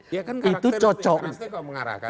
iya kan karakteristik karakteristik kok mengarahkan